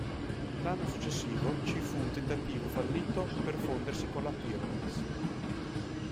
L'anno successivo ci fu un tentativo fallito per fondersi con la Peerless.